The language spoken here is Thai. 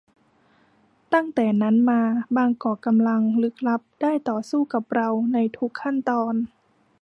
ตั้งแต่นั้นมาบางกองกำลังลึกลับได้ต่อสู้กับเราในทุกขั้นตอน